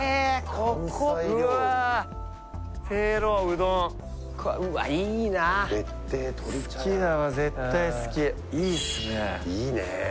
ここうわうわいいな好きだわ絶対好きいいっすねいいね